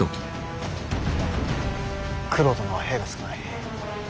九郎殿の兵は少ない。